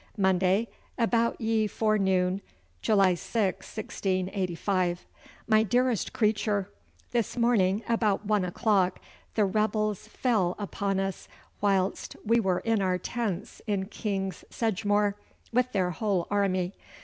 'Monday, about ye forenoon, July 6, 1685.' 'My dearest creature, This morning about one o'clock the rebbells fell upon us whilest we were in our tents in King's Sedgemoor, with their whole army....